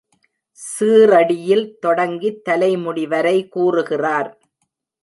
சீறடியில் தொடங்கித் தலைமுடி வரை கூறுகிறார்.